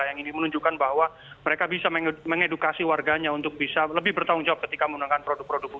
yang ini menunjukkan bahwa mereka bisa mengedukasi warganya untuk bisa lebih bertanggung jawab ketika menggunakan produk produk